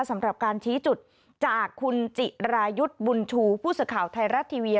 สำหรับการชี้จุดจากคุณจิรายุทธ์บุญชูผู้สื่อข่าวไทยรัฐทีวี